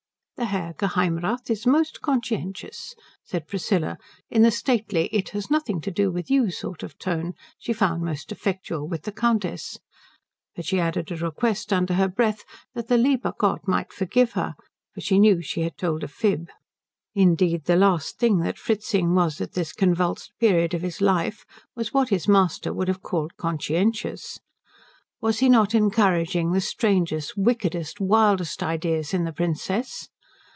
"The Herr Geheimrath is most conscientious," said Priscilla in the stately, it has nothing to do with you sort of tone she found most effectual with the Countess; but she added a request under her breath that the lieber Gott might forgive her, for she knew she had told a fib. Indeed, the last thing that Fritzing was at this convulsed period of his life was what his master would have called conscientious. Was he not encouraging the strangest, wickedest, wildest ideas in the Princess?